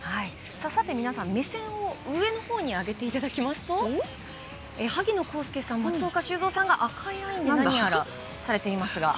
皆さん、目線を上のほうに上げていただけますと萩野公介さん、松岡修造さんが赤いラインで何やらされていますが。